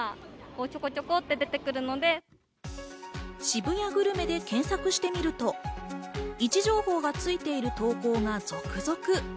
渋谷グルメで検索してみると、位置情報がついている投稿が続々。